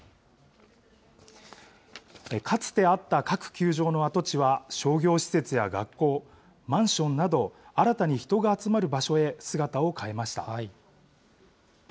かつてあった各球場の跡地は商業施設や学校、マンションなど、新たに人が集まる場所へ姿を変えました。